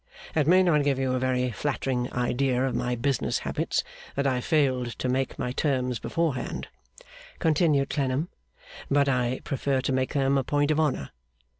It may not give you a very flattering idea of my business habits, that I failed to make my terms beforehand,' continued Clennam; 'but I prefer to make them a point of honour.